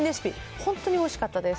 本当においしかったです。